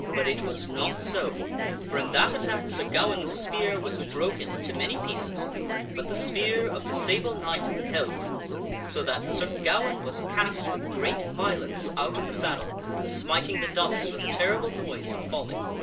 But it was not so, for in that attack Sir Gawaine's spear was broken into many pieces, but T Knijh? C ver the spear of the Sable Knight held, so that Sir Gawaine was throweth Sir cast w j t h great violence out of the saddle, smiting the dust with a terrible noise of falling.